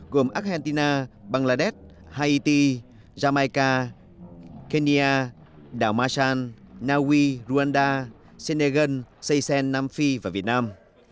gồm argentina bangladesh haiti jamaica kenya đảo marchand naui rwanda senegal seychelles nam phi và việt nam